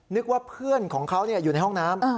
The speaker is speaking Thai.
นึกว่าเพื่อนของเขาอยู่ในห้องน้ำ